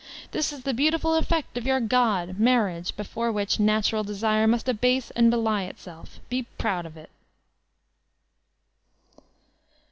This is the beautiful effect of your god, Marriage, before whidi Natural Desire must abase and belie itself. Be proud of it!